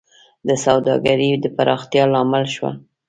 د سوداګرۍ د پراختیا لامل شوه